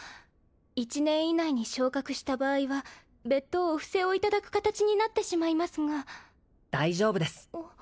１年以内に昇格した場合は別途お布施をいただく形になってしまいますが大丈夫です